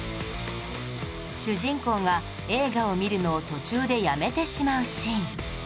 主人公が映画を見るのを途中でやめてしまうシーン